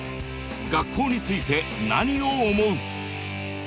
学校について何を思う？